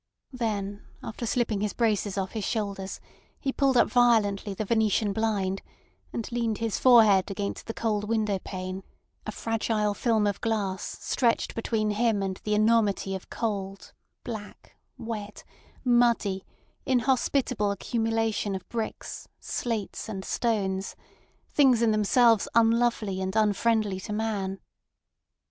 Then after slipping his braces off his shoulders he pulled up violently the venetian blind, and leaned his forehead against the cold window pane—a fragile film of glass stretched between him and the enormity of cold, black, wet, muddy, inhospitable accumulation of bricks, slates, and stones, things in themselves unlovely and unfriendly to man.